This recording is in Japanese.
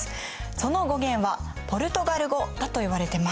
その語源はポルトガル語だといわれてます。